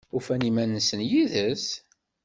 Ufan iman-nsen yid-s?